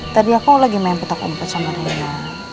tadi aku lagi main petak umpet sama rona